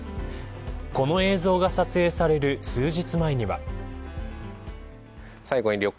この映像が撮影される数日前には。